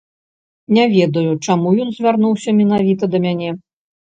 Не ведаю, чаму ён звярнуўся менавіта да мяне.